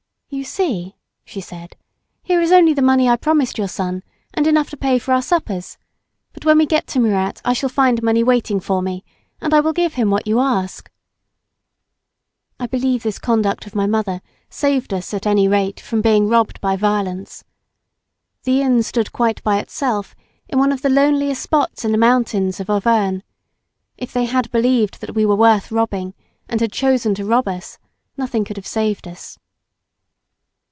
"You see," she said, "here is only the money I promised your son and enough to pay for our suppers; but when we get to Murat I shall find money waiting for me, and I will give him what you ask." I believe this conduct of my mother saved us at any rate from being robbed by violence. The inn stood quite by itself in one of the loneliest spots in the mountains of Auvergnes. If they had believed that we were worth robbing, and had chosen to rob us, nothing could have saved us.